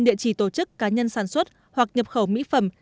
địa chỉ tổ chức cá nhân sản xuất hoặc nhập khẩu mỹ phẩm